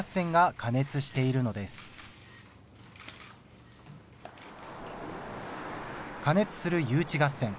過熱する誘致合戦。